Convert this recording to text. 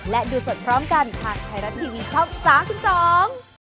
และดูสดพร้อมกันผ่านไทยรัฐทีวีช่อง๓๒